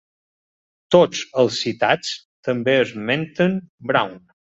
Tots els citats també esmenten Brown.